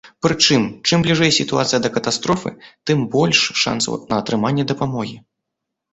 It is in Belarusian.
Прычым, чым бліжэй сітуацыя да катастрофы, тым больш шанцаў на атрыманне дапамогі.